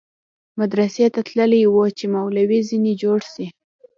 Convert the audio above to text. مدرسې ته تللى و چې مولوى ځنې جوړ سي.